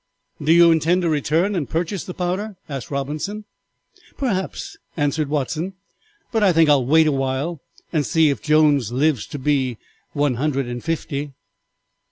"Do you intend to return and purchase the powder?" asked Robinson. "Perhaps," answered Watson, "but I think I will wait awhile and see if Jones lives to be one hundred and fifty!"